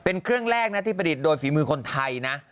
เป็นเครื่องแรกที่ผลิตโดยฝีมือคนไทย